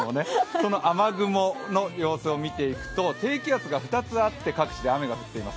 その雨雲の様子を見ていくと低気圧が２つあって各地で雨が降っています。